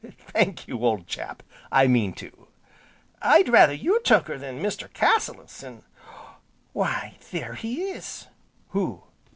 "Thank you, old chap, I mean to." "I'd rather you took her than Mr. Cassilis, an' why there he is!" "Who?"